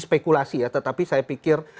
spekulasi ya tetapi saya pikir